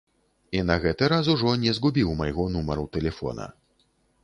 І на гэты раз ужо не згубіў майго нумару тэлефона.